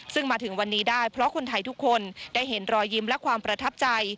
ซึ่งมาถึงวันนี้ได้เพราะคนไทยทุกคนได้เห็นรอยยิ้มและความประทับใจ